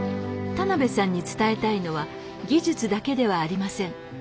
田邉さんに伝えたいのは技術だけではありません。